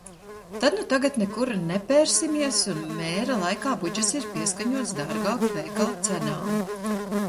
Tad nu tagad nekur nepērsimies un mēra laikā budžets ir pieskaņots dārgāka veikala cenām.